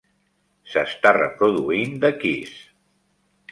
S'està reproduint The Kiss